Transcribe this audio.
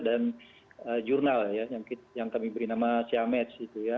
dan jurnal yang kami beri nama syamedh